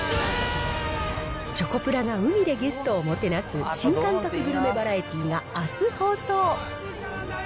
チョコプラが海でゲストをもてなす、新感覚グルメバラエティーがあす放送。